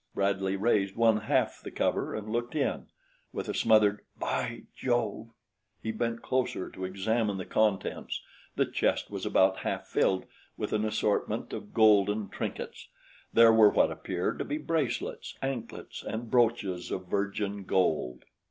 Bradley raised one half the cover and looked in. With a smothered "By Jove!" he bent closer to examine the contents the chest was about half filled with an assortment of golden trinkets. There were what appeared to be bracelets, anklets and brooches of virgin gold.